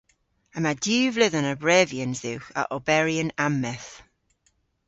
Yma diw vledhen a brevyans dhywgh a oberi yn ammeth.